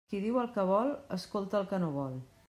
Qui diu el que vol, escolta el que no vol.